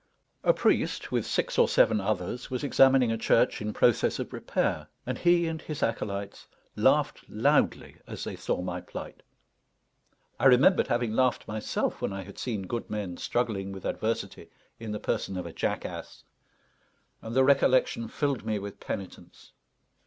A priest, with six or seven others, was examining a church in process of repair, and he and his acolytes laughed loudly as they saw my plight. I remembered having laughed myself when I had seen good men struggling with adversity in the person of a jackass, and the recollection filled me with penitence.